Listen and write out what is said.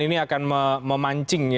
ini akan memancing